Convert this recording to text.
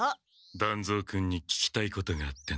団蔵君に聞きたいことがあってな。